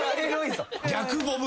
逆ボブ。